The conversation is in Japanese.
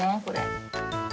これ。